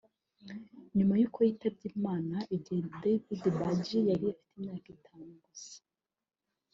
nyuma y’uko yitabye Imana igihe Davidberg yari afite imyaka itanu gusa